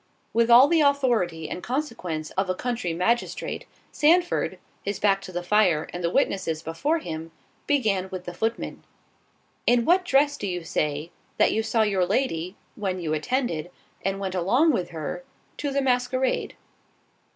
With all the authority and consequence of a country magistrate, Sandford—his back to the fire, and the witnesses before him, began with the footman. "In what dress do you say, that you saw your lady, when you attended, and went along with her, to the masquerade?"